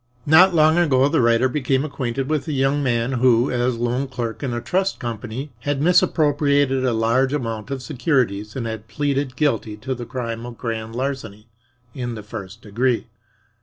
Not long ago the writer became acquainted with a young man who, as loan clerk in a trust company, had misappropriated a large amount of securities and had pleaded guilty to the crime of grand larceny in the first degree.